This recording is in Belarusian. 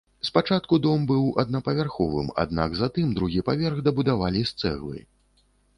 Спачатку дом быў аднапавярховым, аднак затым другі паверх дабудавалі з цэглы.